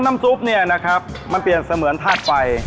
ซุปเนี่ยนะครับมันเปลี่ยนเสมือนธาตุไฟ